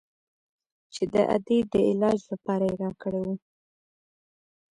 چې د ادې د علاج لپاره يې راكړى و.